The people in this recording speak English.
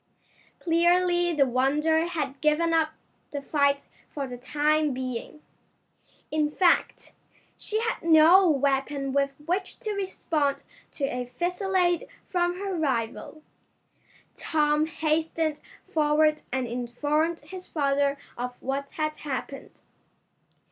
Clearly the Wonder had given up the fight for the time being. In fact, she had no weapon with which to respond to a fusillade from her rival. Tom hastened forward and informed his father of what had happened.